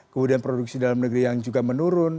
kemudian produksi dalam negeri yang juga menurun